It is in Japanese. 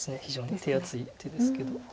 非常に手厚い手ですけど。